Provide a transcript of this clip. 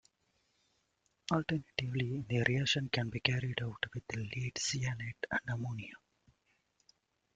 Alternatively the reaction can be carried out with lead cyanate and ammonia.